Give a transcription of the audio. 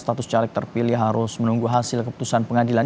dan status caleg terpilih harus menunggu hasil keputusan pengadilan